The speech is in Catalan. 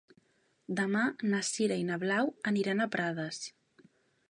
Demà na Sira i na Blau aniran a Prades.